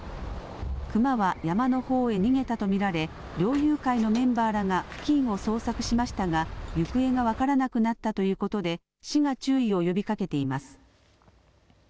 クマは山のほうへ逃げたと見られ猟友会のメンバーらが付近を捜索しましたが行方が分からなくなったということで市が注意を呼びかけています。